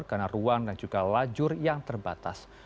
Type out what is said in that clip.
karena ruang dan juga lajur yang terbatas